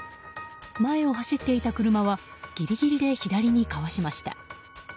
前を走っていた車はギリギリで左にかわしました。